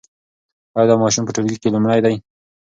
ایا دا ماشوم په ټولګي کې لومړی دی؟